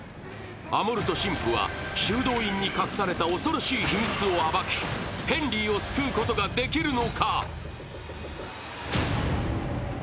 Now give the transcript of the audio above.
アモルト神父は修道院に隠された恐ろしい秘密を暴き、ヘンリーを救うことができるのか！？